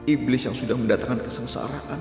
iblis yang sudah mendatangkan kesengsaraan